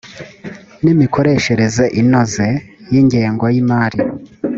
n imikoreshereze inoze y ingengo y imari